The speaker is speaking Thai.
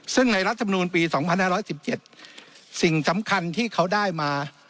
ซึ่งในรัฐมนูลปี๒๕๑๗สิ่งสำคัญที่เขาได้มา